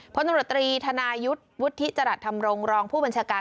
พตรธนายุทธ์วุฒิจรัตน์ธรรมรงค์รองผู้บัญชาการ